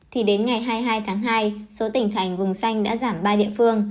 thì đến ngày hai mươi hai tháng hai số tỉnh thành vùng xanh đã giảm ba địa phương